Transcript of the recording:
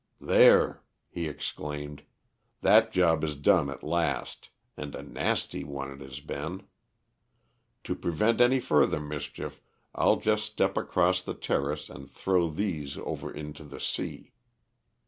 "There," he exclaimed, "that job is done at last, and a nasty one it has been. To prevent any further mischief I'll just step across the terrace and throw these over into the sea.